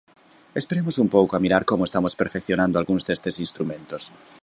Esperemos un pouco a mirar como estamos perfeccionando algúns destes instrumentos.